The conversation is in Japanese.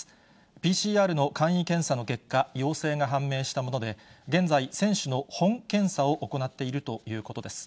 ＰＣＲの簡易検査の結果、陽性が判明したもので、現在、選手の本検査を行っているということです。